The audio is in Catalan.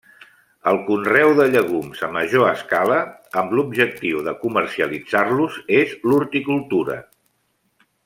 El conreu de llegums a major escala, amb l'objectiu de comercialitzar-los, és l'horticultura.